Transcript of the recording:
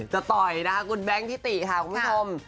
จะต่อยนะคะคุณแบงค์ทิติค่ะคุณผู้ชม